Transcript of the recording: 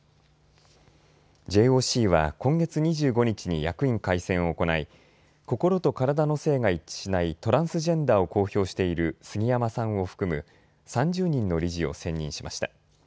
ＪＯＣは今月２５日に役員改選を行い、心と体の性が一致しないトランスジェンダーを公表している杉山さんを含む３０人の理事を選任しました。